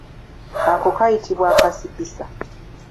Ako kayitibwa akasikisa.